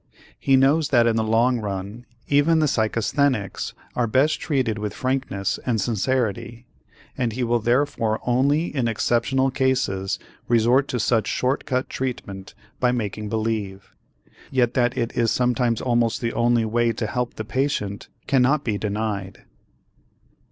He knows that in the long run, even the psychasthenics are best treated with frankness and sincerity and he will therefore only in exceptional cases resort to such short cut treatment by making believe. Yet that it is sometimes almost the only way to help the patient cannot be denied.